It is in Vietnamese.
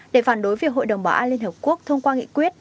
để phản đối việc hội đồng bảo an liên hợp quốc thông qua nghị quyết